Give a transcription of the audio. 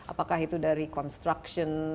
apakah itu dari construction